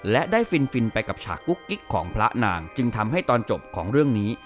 และได้ฟินไปกับฉากกุ๊กกิ๊กของพระนางจึงทำให้ตอนจบของเรื่องนี้